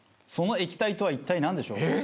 その液体とは一体なんでしょう？